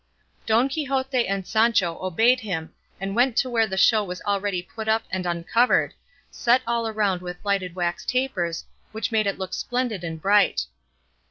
Don Quixote and Sancho obeyed him and went to where the show was already put up and uncovered, set all around with lighted wax tapers which made it look splendid and bright.